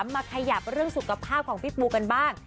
มาขยับเรื่องสุขภาพของพี่ปูกันบ้าง